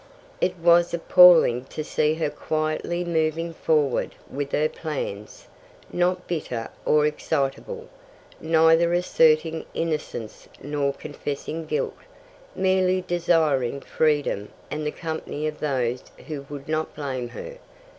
It was appalling to see her quietly moving forward with her plans, not bitter or excitable, neither asserting innocence nor confessing guilt, merely desiring freedom and the company of those who would not blame her.